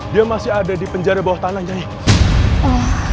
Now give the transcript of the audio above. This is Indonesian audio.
dia masih ada di penjara bawah tanahnya